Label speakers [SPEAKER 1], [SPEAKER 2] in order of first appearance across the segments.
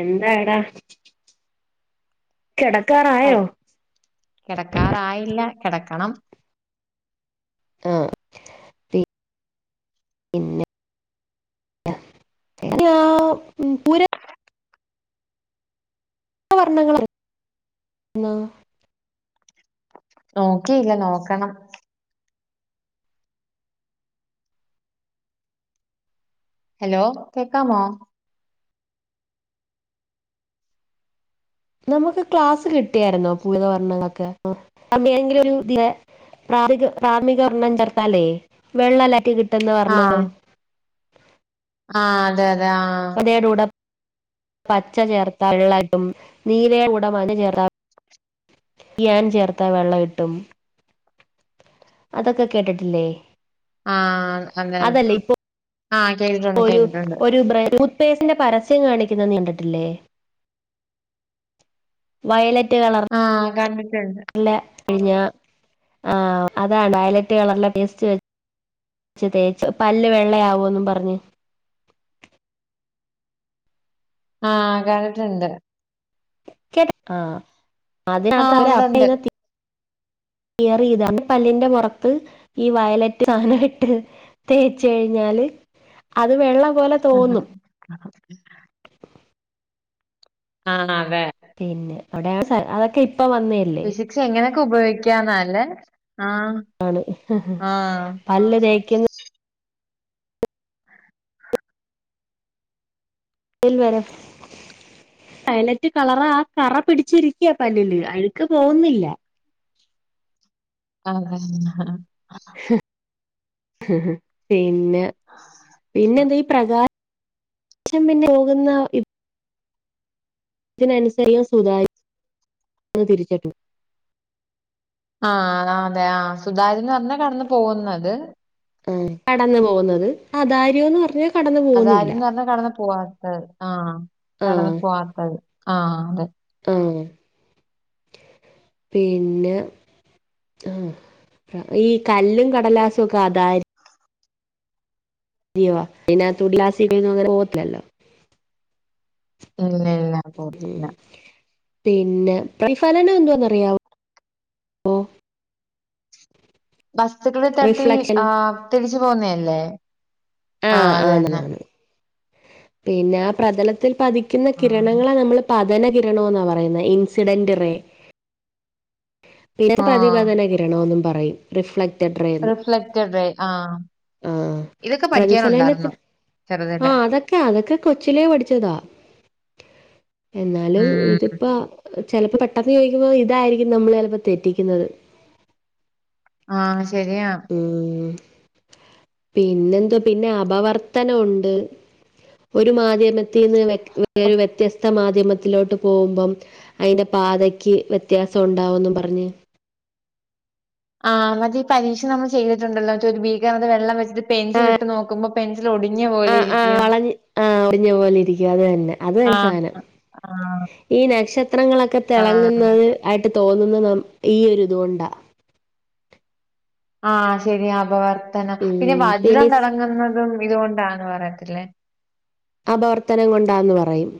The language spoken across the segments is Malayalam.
[SPEAKER 1] എന്തായഡാ? കെടക്കാറായോ?
[SPEAKER 2] കെടക്കാറായില്ല കെടക്കണം.
[SPEAKER 1] ആഹ് പി പിന്നെ [unintelligible] വർണ്ണങ്ങളാണ് ന്നാ
[SPEAKER 2] നോക്കീല്ല നോക്കണം. ഹലോ കേക്കാമോ?
[SPEAKER 1] നമുക്ക് ക്ലാസ് കിട്ട്യാര്ന്നോ [unintelligible] പ്രാരിക് പ്രാർമികവർണ്ണം ചേർത്താലേ വെള്ളംല്ലാറ്റി കിട്ടുന്ന വർണ്ണങ്ങൾ
[SPEAKER 2] ആ അതെ അതെ ആ
[SPEAKER 1] ടോട പച്ച ചേർത്താ വെള്ളായിട്ടും നീലയുടെ ഉടമാ ചേർത്ത [unintelligible] ൻ ചേർത്താ വെള്ള കിട്ടും അതൊക്കെ കേട്ടിട്ടില്ലേ
[SPEAKER 2] ആഹ അങ്ങനെ
[SPEAKER 1] അതല്ല ഇപ്പൊ
[SPEAKER 2] ആഹ കേ
[SPEAKER 1] ഒരു ഒരു ടൂത്ത് പേസ്റ്റിന്റെ പരസ്യം കാണിക്കുന്നത് നീണ്ടിട്ടില്ലേ വയലറ്റുകളാണ്
[SPEAKER 2] ആഹ്, കണ്ടിട്ടുണ്ട്.
[SPEAKER 1] [unintelligible] ഴിഞ്ഞ ആ അതാണ്ലറ്റ് കളറില പേസ്റ്റ് വ ച്ച തേച്ച പല്ല് വെള്ളയാവോന്ന് പറഞ്ഞ്
[SPEAKER 2] ആഹ്, കണ്ടിട്ടുണ്ട്.
[SPEAKER 1] കേട്ട ആഹ അതിന്നത്
[SPEAKER 2] ആഹ്
[SPEAKER 1] അവര് അപ്പ
[SPEAKER 2] ഉണ്ടുണ്ട്
[SPEAKER 1] [unintelligible] കറി ഇത പല്ലിന്റെ പുറത്ത് ഈ വയലറ്റ് സാധനം ഇട്ട് തേച്ച് കഴിഞ്ഞാല് അത് വെള്ളം പോലെ
[SPEAKER 2] ഉം
[SPEAKER 1] തോന്നും
[SPEAKER 2] ഹ ആഹ അതെ
[SPEAKER 1] പിന്നെ, അവിടെയാണ് സാ, അതൊക്കെ ഇപ്പ വന്നേ
[SPEAKER 2] ഫിസിക്സ് എങ്ങനെയൊക്കെ ഉപയോഗിക്കാന്നല്ലേ!. ആഹ്,
[SPEAKER 1] ണ്.
[SPEAKER 2] ആഹ്
[SPEAKER 1] പല്ല്തേ ഇൽ വരം വയിലറ്റ് കളർ ആ കറ പിടിച്ചിരിക്കയാ പല്ലല് അഴക്ക് പോകുന്നില്ല
[SPEAKER 2] ആഹ അഹ
[SPEAKER 1] പിന്നെ പിന്നെന്താ പ്രകാ അം പിന്നെ പോകുന്ന ഇതിനനുസരി സുതാര്യന്ന് തിരിച്ചട്ടും
[SPEAKER 2] ആഹ അതെ ആ സുധാകയൻ പറഞ്ഞാ കടന്ന് പോകുന്നത്
[SPEAKER 1] ആ കടന്നു പോകുന്നത് അതാര്യംന്ന് പറഞ്ഞ
[SPEAKER 2] അതാരന്ന് പറഞ്ഞാ കടന്നു പോവാത്തത് ആഹ കടന്ന പോവാത്തത് ആഹ അതെ
[SPEAKER 1] ആഹ പിന്നെ ആ ഈ കല്ലും കടലാസും ഒക്കെ അതാ ലീവാ, പിന്നെ, തുടി [unintelligible] അങ്ങനെ പോകത്തില്ലോ
[SPEAKER 2] ഇല്ല, ഇല്ല.
[SPEAKER 1] ഉ
[SPEAKER 2] പോത്തില്ല.
[SPEAKER 1] പിന്നെ പ്രഫലനം എന്താവാന്നറിയാവോ?
[SPEAKER 2] വസ്തുക്കള തട്ടി
[SPEAKER 1] റിഫ്ലക്ഷൻ
[SPEAKER 2] ആ തിരിച്ച പോന്നല്ലേ
[SPEAKER 1] ആഹ ആന്നാണ് പിന്നെ ആ പ്രതലത്തിൽ പതിക്കുന്ന
[SPEAKER 2] ആഹ്
[SPEAKER 1] കിരണങ്ങളെ നമ്മൾ പതന കിരണോന്നാ പറയുന്നേ, ഇൻസിഡന്റ് റേ ഇന്ന
[SPEAKER 2] ആഹ്
[SPEAKER 1] പ്രതിപദനകിരണമ ഒന്നും പറയും റിഫ്ലക്റ്റഡന്ന്
[SPEAKER 2] ആ ഇതൊക്കെ പഠിക്കാനുണ്ടായിരുന്നു ചെറുതല
[SPEAKER 1] ആ അതൊക്കെ കൊച്ചിലേ പഠിച്ചതാ എന്നാലും
[SPEAKER 2] ഉം
[SPEAKER 1] ഇതിപ്പ ചിലപ്പോ പെട്ടെന്ന് ചോദിക്കുമ്പോൾ ഇതായിരിക്കും നമ്മൾ ചിലപ്പോ തെറ്റിക്കുന്നത്
[SPEAKER 2] ആഹ് ശരിയാ
[SPEAKER 1] ഉ പിന്നെന്തോ പിന്നെ അപവർത്തനം ഉണ്ട് ഒരു മാധ്യമത്തിൽ നിന്ന് വ ഒരു വ്യത്യസ്ത മാധ്യമ ലോട്ട് പോവുമ്പം, അതിന്റെ പാതയ്ക്ക് വ്യത്യാസം ഉണ്ടാവുന്ന് പറഞ്ഞ്
[SPEAKER 2] ആഹ് മത പരീക്ഷ നമ്മ ചെയ്തിണ്ടല്ലോ ഒരു ബീകത് വെള്ളം വെച്ചപെൻസിൽ ഇട്ട് നോക്കുമ്പോൾ
[SPEAKER 1] ആ ആ വളഞ്ഞ ആ ഒടിഞ്ഞ പോലെ ഇരിക്കും അത് തന്നെ അത് തന്നെ സാധനം
[SPEAKER 2] ആഹ് ആഹ്
[SPEAKER 1] [inaudible] ഈ നക്ഷത്രങ്ങളൊക്കെ
[SPEAKER 2] ആഹ്
[SPEAKER 1] തിളങ്ങുന്നത് ആയിട്ട് തോന്നുന്ന ഈ ഒ ഒരു ഇതുക കൊണ്ടാ
[SPEAKER 2] ആഹ ശരി അപവർത്തനം പിന്നെ വജ്രം തിളങ്ങുന്നതും ഇതുകൊണ്ടാന്ന് പറയത്തില്ലേ
[SPEAKER 1] അപവർത്തനം കൊണ്ടാന്ന് പറയും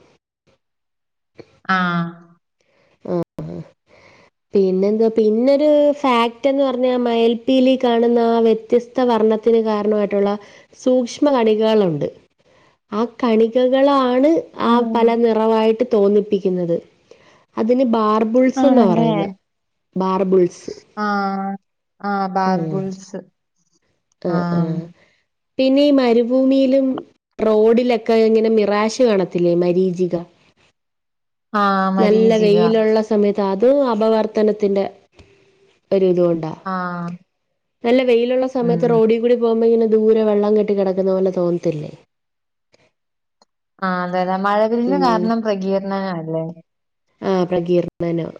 [SPEAKER 2] ആഹ്
[SPEAKER 1] ആഹ് ആ പിന്നെ എന്തവാ പിന്നൊരു ഫാക്ട്ന്ന് പറഞ്ഞാൽ മയിൽ പീലി കാണുന്ന ആ വ്യത്യസ് ത്ത വർണ്ണത്തിന് കാരണമായിട്ടുള്ള സൂക്ഷ്മ കണികകളുണ്ട് ആ കണികകളാണ് ആ പല
[SPEAKER 2] ആഹ്
[SPEAKER 1] നിറവായിട്ട് തോന്നിപ്പിക്കുന്നത് അതിന് ബാർബുൾസ് എന്നാ
[SPEAKER 2] ആണല്ലേ?
[SPEAKER 1] പറയുന്നേ ബർബിൾസ്
[SPEAKER 2] ആ ആ
[SPEAKER 1] ഉം
[SPEAKER 2] ബാർബിൾസ് ആ
[SPEAKER 1] ആഹ്ആഹ് പിന്നെ ഈ മരുഭൂമിയിലും റോഡിലൊക്കെ ഇങ്ങനെ മിറാശ് കാണത്തില്ലേ മരീചിക
[SPEAKER 2] ആ
[SPEAKER 1] നല്ല
[SPEAKER 2] മരീചിക
[SPEAKER 1] വെയിലുള്ള സമയത്ത്, അതും അപവർത്തനത്തിന്റെ ഒരിതുകൊണ്ടാ
[SPEAKER 2] ആഹ്
[SPEAKER 1] നല്ല വെയിലുള്ള സമയത്ത് റോഡി കൂടി പോകുമ്പോ ഇങ്ങനെ ദൂരെ വെള്ളം കെട്ടി കിടക്കുന്ന പോലെ തോന്ന ത്തില്ലേ
[SPEAKER 2] ആഹ് അതെതെ മഴവില്ലിന്
[SPEAKER 1] ഉം
[SPEAKER 2] കാരണം പ്രകീർണനഅല്ലേ
[SPEAKER 1] ആഹ് പ്രകീർത്തനം.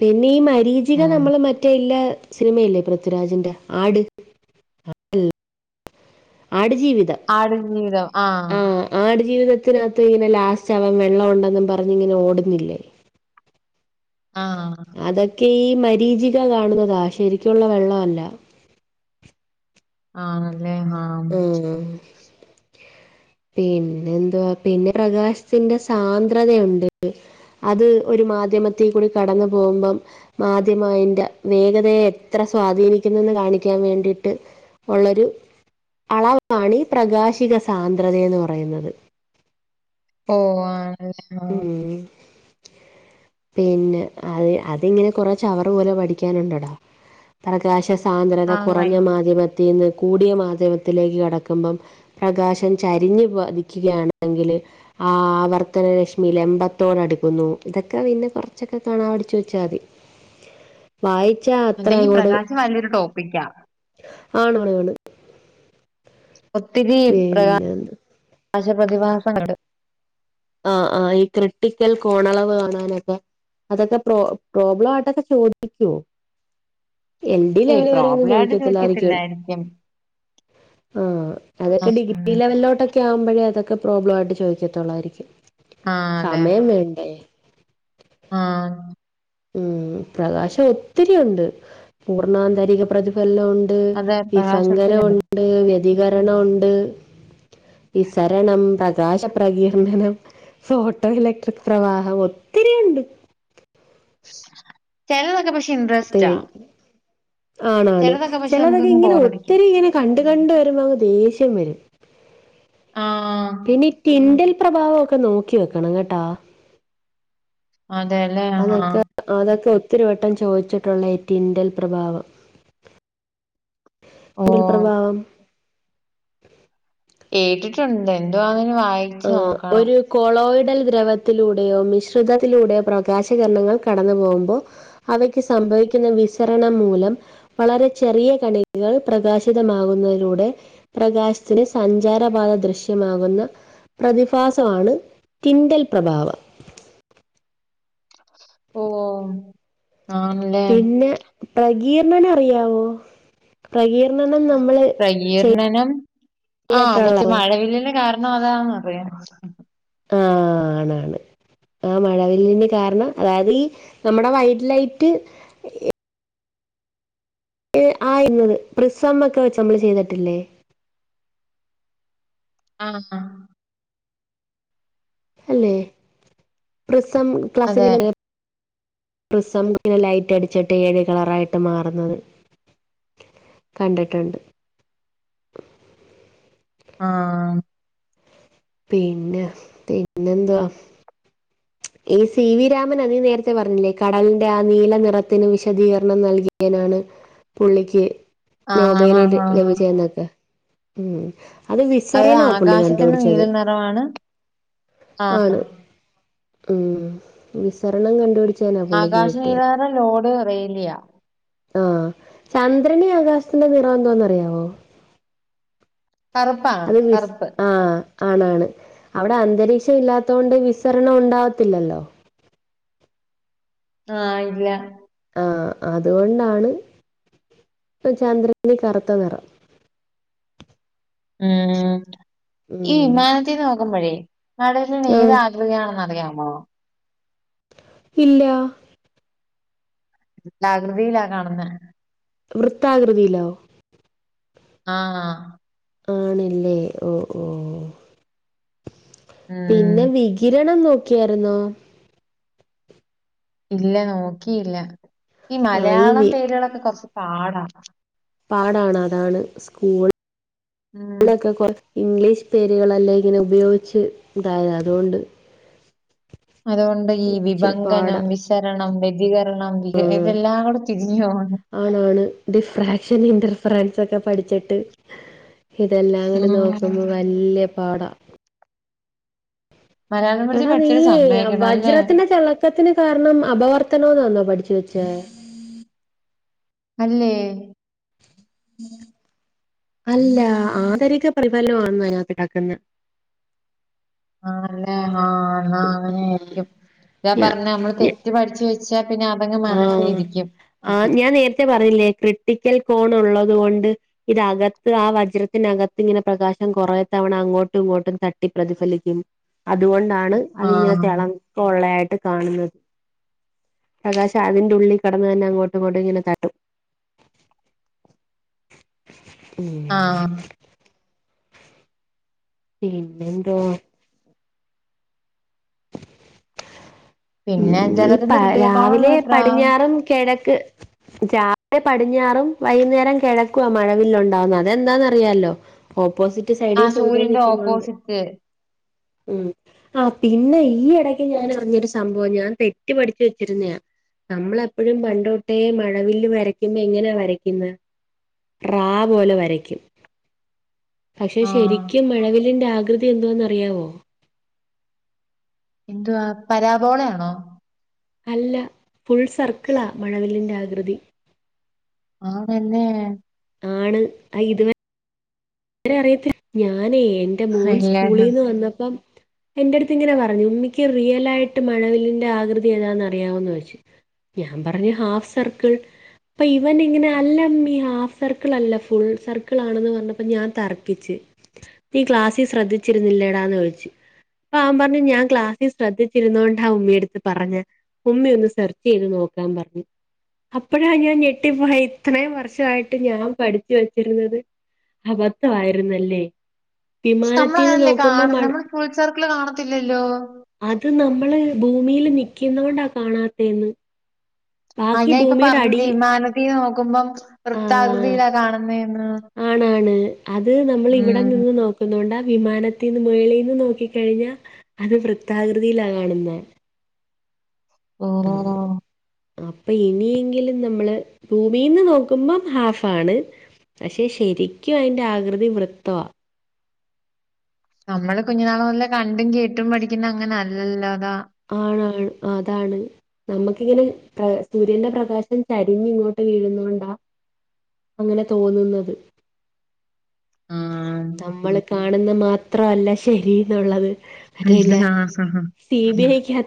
[SPEAKER 1] പിന്നെ ഈ മരീചിക
[SPEAKER 2] ഉം
[SPEAKER 1] നമ്മൾ മറ്റേ ഇല്ല സിനിമയില്ലേ പൃഥ്വിരാജിന്റെ ആട് ആട്ജീവിതം
[SPEAKER 2] ആടുജീവിതം ആഹ്
[SPEAKER 1] ആടു ജീവിതത്തിനകത്ത് ഇങ്ങനെ ലാസ്റ്റ് ആവൻ വെള്ളം ഉണ്ടെന്നും പറഞ്ഞ് ഇങ്ങനെ ഓടുന്നില്ലേ
[SPEAKER 2] ആഹ്
[SPEAKER 1] അതൊക്കെ ഈ മരീചിക കാണുന്നതാ. ശരിക്കുള്ള വെള്ളവല്ല
[SPEAKER 2] ആഹ് നേ ഹാ..
[SPEAKER 1] ആഹ് ആഹ് പിന്നെ എന്തുവാ, പിന്നെ പ്രകാശത്തിന്റെ സാന്ദ്രതയുണ്ട് അത് ഒരു മാധ്യമത്തി കൂടി കടന്നു പോകുമ്പം മാധ്യമയിന്റെ വേഗതയെ എത്ര സ്വാധീനിക്കുന്നെന്ന് കാണിക്കാൻ വേണ്ടിയിട്ട് ഒള്ളൊരു അളവാണീ പ്രകാശിക സാന്ദ്രതയെന്ന് പറയുന്നത്
[SPEAKER 2] ഓഹ് ആഹ് [unintelligible]
[SPEAKER 1] ഉം പിന്നെ, അത് അതിങ്ങനെ കുറെ ചവറ് പോലെ പഠിക്കാനുണ്ടടാ പ്രകാശ സാന്ദ്രത
[SPEAKER 2] ആ ആ
[SPEAKER 1] കുറഞ്ഞ മാധ്യമത്തീന്ന് കൂടിയ മാധ്യമത്തിലേക്ക് കടക്കുമ്പം പ്രകാശം ചരിഞ്ഞ് പതിക്കുകയാണെങ്കിൽ അ ആവർത്തന രശ് മിലമ്പത്തോടടുക്കുന്നു. ഇതൊക്കെ പിന്നെ കുറച്ചൊക്കെ കാണാ പഠിച്ചു വെച്ചാ മതി വായിച്ചാ അത്ര
[SPEAKER 2] അതെ ഈ
[SPEAKER 1] അങ്ങോട്
[SPEAKER 2] പ്രകാശം വലിയൊരു ടോപ്പിക്കാ
[SPEAKER 1] [inaudible] [unintelligible]
[SPEAKER 2] ഒത്തിരി പ്രകാ
[SPEAKER 1] പിന്നെ
[SPEAKER 2] [inaudible] ശപ്രതിഭാസങ്ങള്ണ്ട്
[SPEAKER 1] ആഹ് ആഹ്ഈ ക്രിട്ടിക്കൽ കോണളവ് കാണാനൊക്കെ അതൊക്കെ പ്രോ പ്രോബ്ലവായിട്ടൊക്കെ ചോദിക്ക്യോ? എൽ ഡി
[SPEAKER 2] ഏയ്
[SPEAKER 1] ലെവൽ വരെ ഒന്നും
[SPEAKER 2] പ്രോബ്ലം ആയിട്ട്
[SPEAKER 1] ചോദിക്കത്തില്ലായിരിക്കും ആഹ്
[SPEAKER 2] ആ
[SPEAKER 1] അതൊക്കെ
[SPEAKER 2] ഉം.
[SPEAKER 1] ഡിഗ്രീ ലെവലിലോട്ടൊ ക്യാവുമ്പഴെ അതൊക്കെ പ്രോബ്ലവായിട്ട് ചോയ്ക്കത്തൊള്ളായിരിക്കും.
[SPEAKER 2] ആ
[SPEAKER 1] സമയം കയ്ഞ്ഞ്
[SPEAKER 2] ആഹ്
[SPEAKER 1] ഉം പ്രകാശം ഒത്തിരിയുണ്ട് പൂർണാന്തരിക പ്രതിഫൽനം ഉണ്
[SPEAKER 2] അതെ
[SPEAKER 1] ണ്ട് വിഫങ്കനം
[SPEAKER 2] പ്രകാശത്തിനുണ്ട്
[SPEAKER 1] ഉണ്ട് വ്യതികരണം ഉണ്ട് വിസരണം പ്രകാശ പ്രകീർണനം ഫോട്ടോ ഇലക്ട്രിക് പ്രവാഹം ഒത്തിരിയിണ്ട്
[SPEAKER 2] [inaudible] ചെലതൊക്കെ പക്ഷെ ഇൻട്രസ്റ്റാ
[SPEAKER 1] ആണാണ്.
[SPEAKER 2] ചിലതൊക്കെ പക്ഷെ
[SPEAKER 1] ചെലതൊക്കെ
[SPEAKER 2] നമുക്കങ്ങ്
[SPEAKER 1] ഇങ്ങനെ
[SPEAKER 2] ബോറടിക്കും.
[SPEAKER 1] ഒത്തിരി ഇങ്ങനെ കണ്ട് കണ്ട് വരുമ്പങ്ങ് ദേഷ്യം വരും
[SPEAKER 2] ആഹ്
[SPEAKER 1] പിന്നെ ഈ ടിൻഡൽ പ്രഭാവം ഒക്കെ നോക്കി വെക്കണം കേട്ടോ
[SPEAKER 2] അതെല്ലേ ആഹ്
[SPEAKER 1] അതൊക്കെ അതൊക്കെ ഒത്തിരിവട്ടം ചോയിച്ചിട്ടുള്ളേ ഈ ട്വിറ്റൽ പ്രഭാവം
[SPEAKER 2] ഓ
[SPEAKER 1] [unintelligible] പ്രഭാവം
[SPEAKER 2] കേട്ടിട്ടുണ്ട് എന്തുവാങ്ങനെ വായി
[SPEAKER 1] ആ ഒരു കൊളോയിഡൽ ദ്രവത്തിലൂടെയോ മിശ്രിതത്തിലൂടെയോ പ്രകാശകരണങ്ങൾ കടന്നു പോകുമ്പോ അവയ്ക്ക് സംഭവിക്കുന്ന വിസരണം മൂലം വളരെ ചെറിയ കണികകൾ പ്രകാശിതമാകുന്നതിലൂടെ പ്രകാശത്തിന് സഞ്ചാരപാത ദൃശ്യമാകുന്ന പ്രതിഭാസമാണ് ക്വിറ്റൽ പ്രഭാവം.
[SPEAKER 2] ഓഹ് ആഹ്
[SPEAKER 1] പിന്നെ പ്രകീർണന അറിയാവോ പ്രകീർ
[SPEAKER 2] പ്രകീർണനം ആഹ് ഇന്നട്ട് മറ്റേ
[SPEAKER 1] ചെയ്തിട്ടുള്ളോ
[SPEAKER 2] മഴവില്ലിന് കാ അതാന്നറിയാം
[SPEAKER 1] ആഹ് ആണാണ് ആഹ് മഴവില്ലിന് കാരണം അതായത് ഈ നമ്മളെ വൈറ്റ് ലൈറ്റ് ഏ ആയിരത് പ്രസം ഒക്കെ വെച്ച് നമ്മള് ചെയ്തിട്ടില്ലേ
[SPEAKER 2] ആഹ് ആഹ്
[SPEAKER 1] അല്ലെ പ്രിസം
[SPEAKER 2] അതെ
[SPEAKER 1] [unintelligible] പ്രിസം [unintelligible] ലൈറ്റ് അടിച്ചിട്ട് ഏഴ് കളറായിട്ട് മാറ്ന്നത് കണ്ടിട്ടുണ്ട്
[SPEAKER 2] ആഹ്
[SPEAKER 1] പിന്നെ പിന്നെന്താ ഈ സി വി രാമനാ നീ നേരത്തെ പറഞ്ഞില്ലേ കടലിന്റെ ആ നീല നിറത്തിന് വിശദീകരണം നൽകിയനാണ് പുള്ളിക്ക്
[SPEAKER 2] ആ
[SPEAKER 1] നോബെൽ
[SPEAKER 2] ആ
[SPEAKER 1] ല
[SPEAKER 2] ആ
[SPEAKER 1] ലഭിച്ചന്നൊക്കെ ഉം അത് വിസരണാ പുള്ളി
[SPEAKER 2] ആകാശത്തിന്റെ നീല
[SPEAKER 1] കണ്ടുപിടിച്ചത്
[SPEAKER 2] നിറമാണ് ആ
[SPEAKER 1] ആണ് ഉം വിസരണം കണ്ടുപിടി
[SPEAKER 2] ആകാശ നീല നിറം ലോഡ് അറിയില്ല്യ
[SPEAKER 1] ആഹ് ചന്ദ്രനിൽ ആകാശത്തിന്റെ നിറമെന്തോന്ന് അറിയാവോ
[SPEAKER 2] കറുപ്പാണ്
[SPEAKER 1] അത് വിസ്
[SPEAKER 2] കറുപ്പ്
[SPEAKER 1] ആഹ് ആണാണ് അവിടെ അന്തരീക്ഷം ഇല്ലാത്തോണ്ട് വിസരണം ഉണ്ടാവത്തില്ലല്ലോ
[SPEAKER 2] ആഹ് ഇല്ല
[SPEAKER 1] ആഹ് അതുകൊണ്ടാണ് ചന്ദ്രനിൽ കറുത്ത നിറം.
[SPEAKER 2] ഉം ഈ
[SPEAKER 1] ഉം
[SPEAKER 2] വിമാനത്തിന് നോക്കുമ്പഴേ [unintelligible] ഏത്
[SPEAKER 1] ആഹ്
[SPEAKER 2] ആകൃതിയാണെന്ന്റിയാമോ
[SPEAKER 1] ഇല്ലാ
[SPEAKER 2] വൃത്താകൃതിലാ കാണ്ന്നെ
[SPEAKER 1] വൃത്താകൃതിയിലോ
[SPEAKER 2] ആഹ്
[SPEAKER 1] ആണ് ല്ലേ ഓഹ് ഓഹ്
[SPEAKER 2] ഉം
[SPEAKER 1] പിന്നെ വികിരണം നോക്കിയായിരുന്നോ
[SPEAKER 2] ഇല്ല നോക്കിയില്ല ഈ
[SPEAKER 1] ആഹ് ഈ
[SPEAKER 2] മലയാളം
[SPEAKER 1] വി
[SPEAKER 2] പേരുകളൊക്കെ കൊറച്ച് പാടാ
[SPEAKER 1] പാടാണ് അതാണ് സ്കൂൾ
[SPEAKER 2] ഉം.
[SPEAKER 1] ഒക്കെ ഇംഗ്ലീഷ് പേരുകളല്ലേ ഇങ്ങനെ ഉപയോഗിച്ച് ഇതായേ അത്കൊണ്ട്
[SPEAKER 2] അതുകൊണ്ട് ഈ
[SPEAKER 1] ഇച്ചിരി പാടാ
[SPEAKER 2] വിഭങ്കനം വിസരണം വ്യതികരണം ഇത് ഇതെല്ലാം കൂടെ തിരിഞ്ഞോവാണ്
[SPEAKER 1] ആണാണ് ഡിഫ്രാക്ഷൻ ഇന്റർഫറൻസൊക്കെ പഠിച്ചിട്ട് ഇതെല്ലാം കൂടി
[SPEAKER 2] ഉം.
[SPEAKER 1] നോക്കുമ്പോ വ വല്ല്യപാടാ
[SPEAKER 2] മലയാളം പഠിച്ച്
[SPEAKER 1] എടാ
[SPEAKER 2] പഠിച്ചവര്
[SPEAKER 1] നീയേ
[SPEAKER 2] സമ്മതിക്കണം അല്ലേ?
[SPEAKER 1] വജ്രത്തിൻ്റെ ചെ ത്തത്തിന് കാരണം അപവർത്തനോ ന്നാന്നോ പഠിച്ചു വെച്ചേ
[SPEAKER 2] അല്ലേ?
[SPEAKER 1] ഉം അല്ല ആന്തരിക പരിപാലനവാന്നാ ഞാൻ കേട്ടേക്കുന്നെ
[SPEAKER 2] ആല്ലേ ആ എന്നാ അങ്ങനൊയിരിക്കും അതാ
[SPEAKER 1] ഞാ
[SPEAKER 2] പറഞ്ഞേ നമ്മൾ
[SPEAKER 1] ഞ
[SPEAKER 2] തെറ്റ് പഠിച്ച് വച്ചാ പിന്നെ അതങ്ങ്
[SPEAKER 1] ആഹ്
[SPEAKER 2] മനസ്സിരിക്കും
[SPEAKER 1] ആഹ് ഞാൻ നേരത്തെ പറഞ്ഞില്ലേ ക്രിട്ടിക്കൽ കോൺ ഉള്ളത് കൊണ്ട് ഇതകത്ത് ആ വജ്രത്തിനകത്ത് ഇങ്ങനെ പ്രകാശം കുറെ തവണ അങ്ങോട്ടും ഇങ്ങോട്ടും തട്ടി പ്രതിഫലിക്കും അതുകൊണ്ടാണ് അതിങ്ങനെ
[SPEAKER 2] ആഹ്.
[SPEAKER 1] തിളക്ക ഉള്ളയായിട്ട് കാണുന്നത് ആകാശം അതിന്റെ ഉള്ളി കിടന്ന് തന്നെ അങ്ങോട്ടുമിങ്ങോട്ടും ഇങ്ങനെ തട്ടും ഉം
[SPEAKER 2] ആഹ് ആ
[SPEAKER 1] പിന്നെന്തുവാ?
[SPEAKER 2] പിന്നെ
[SPEAKER 1] ഉം ഈ
[SPEAKER 2] ജലത്തിന്റെ
[SPEAKER 1] പ
[SPEAKER 2] കൃതികോണംന്ന്
[SPEAKER 1] രാവിലെ
[SPEAKER 2] എത്രാ
[SPEAKER 1] പടിഞ്ഞാറും കിഴക്ക് രാവിലെ പടിഞ്ഞാറും വൈകുന്നേരം കീഴക്കു ആ മഴവില്ല് ഉണ്ടാവുന്നത് അതെന്താന്ന് അറിയാല്ലോ ഓപ്പോസിറ്റ്
[SPEAKER 2] ആ
[SPEAKER 1] സൈഡി സൂര്യൻ
[SPEAKER 2] സൂര്യന്റെ
[SPEAKER 1] നിക്കുന്നുണ്ട്
[SPEAKER 2] ഓപ്പോസിറ്റ്
[SPEAKER 1] ഉം ആ പിന്നെ ഈ ഇടയ്ക്ക് ഞാനറിഞ്ഞ ഒരു സംഭവം ഞാൻ തെറ്റ് പഠിച്ചു വെച്ചിരുന്നയാ നമ്മളെപ്പോഴും പണ്ടോട്ടേ മഴവില്ല് വരയ്ക്കുമ്പോ എങ്ങനാ വരയ്ക്കുന്നെ? റ പോലെ വരയ്ക്കും പക്ഷെ
[SPEAKER 2] ആ
[SPEAKER 1] ശരിക്കും മഴവില്ലിന്റെ ആകൃതി എന്തോന്ന് അറിയാവോ?
[SPEAKER 2] എന്തുവാ പരാബോളയാണോ?
[SPEAKER 1] അല്ല ഫുൾ സർക്കിളാ മഴവില്ലിന്റെ ആകൃതി
[SPEAKER 2] ആണല്ലേ?...
[SPEAKER 1] ആണ് ആ ഇത് വരെ അറിയത്തി ഞാനേ എൻ്റെ മോൻ
[SPEAKER 2] ഇല്ല
[SPEAKER 1] സ്കൂളിന്ന് വന്നപ്പം എൻ്റെടുത്ത് ഇങ്ങനെ പറഞ്ഞു ഉമ്മിക്ക് റിയലായിട്ട് മഴവില്ലിൻ്റെ ആകൃതി ഏതാണന്ന് അറിയാവോന്നു ചോയ്ച്ച് ഞാൻ പറഞ്ഞു ഹാഫ് സർക്കിൾ അപ്പൊ ഇവൻ ഇങ്ങനെ അല്ല അമ്മി ഹാഫ് സർക്കിൾ അല്ല ഫുൾ സർക്കിൾ ആണെന്ന് പറഞ്ഞപ്പോ പ്പൊ ഞാൻ തർക്കിച്ച് നീ ക്ലാസ്സിൽ ശ്രദ്ധിച്ചിരുന്നില്ലേടാന്ന് ചോദിച്ച് അപ്പ അവൻ പറഞ്ഞു ഞാൻ ക്ലാസിൽ ശ്രദ്ധിച്ചിരുന്നോണ്ട ആ ഉമ്മിടത്ത് പറഞ്ഞ ഉമ്മിയൊന്ന് സെർച്ച് ചെയ്ത് നോക്കാൻ പറഞ്ഞു അപ്പഴാ ഞാൻ ഞെട്ടിപ്പോയെ ഇത്രയും വർഷവായിട്ട് ഞാൻ പഠിച്ചു വെച്ചിരുന്നത് അബദ്ധവാരുന്നല്ലേ?
[SPEAKER 2] ക്ഷെ നമ്മള് അങ്ങനല്ലേ കാണുന്നെ നമ്മള് ഫുൾ സർക്കിള് കാണത്തില്ലല്ലോ?
[SPEAKER 1] അത് നമ്മള് ഭൂമീല് നിക്കുന്നൊണ്ടാ കാണാത്തെന്ന്
[SPEAKER 2] ആ ഞാൻ ഇപ്പൊ പറഞ്ഞില്ലേ
[SPEAKER 1] അടിയിൽ
[SPEAKER 2] മാനതീക്ക് നോക്കുമ്പം
[SPEAKER 1] ആഹ്
[SPEAKER 2] വൃത്താകൃതിയിലാ കാണുന്നെന്ന്
[SPEAKER 1] ആണാണ് അത് നമ്മൾ ഇവിടെ നിന്ന് നോക്ക അതുകൊണ്ടാ വിമാനത്തീന്നു മേളീന്ന് നോക്കി കഴിഞ്ഞാ അത് വൃത്താകൃതിയിലാ കാണുന്നെ
[SPEAKER 2] ഓ ഓ...
[SPEAKER 1] അപ്പൊ ഇനിയെങ്കിലും നമ്മള് ഭൂമിന്ന് നോക്കുമ്പം ഹാഫ് ആണ് പക്ഷെ ശരിക്കും അതിന്റെ ആകൃതി വൃത്തവാ
[SPEAKER 2] നമ്മള് കുഞ്ഞുനാള് മുതല് കണ്ടും കേട്ടും പഠിക്കുന്ന അങ്ങനെ അല്ലല്ലോ അതാ
[SPEAKER 1] ആണ് ആണ് അതാണ് നമുക്കിങ്ങനെ ആ സൂര്യന്റെ പ്രകാശം ചരിഞ്ഞ് ഇങ്ങോട്ട് വീഴുന്നോണ്ട അങ്ങനെ തോന്നുന്നത് നമ്മള് കാണുന്ന മാത്രല്ല ശരിന്നുള്ളത് അതില്ലേ
[SPEAKER 2] ആ
[SPEAKER 1] സി ബി ഐക്കാത്ത്